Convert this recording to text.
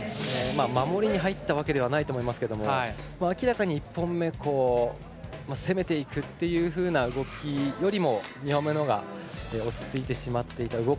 守りに入ったわけではないと思いますけど明らかに１本目攻めていくっていうふうな動きよりも２本目のほうが落ち着いてしまった。